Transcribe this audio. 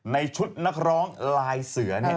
ในชุดนักร้องลายเสือเนี่ย